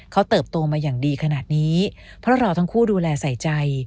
เขาเติบโตมาอย่างดีขนาดนี้เพราะเราทั้งคู่ดูแลใส่ใจ